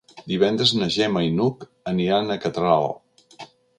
Divendres na Gemma i n'Hug aniran a Catral.